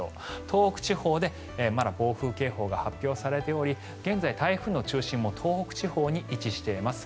東北地方でまだ暴風警報が発表されており現在、台風の中心も東北地方に位置しています。